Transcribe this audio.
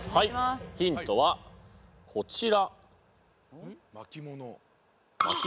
ヒントはこちら。